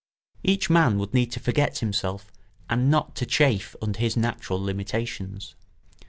Each man would need to forget himself and not to chafe under his natural limitations.